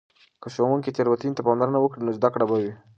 که ښوونکې تیروتنې ته پاملرنه وکړي، نو زده کړه به وي.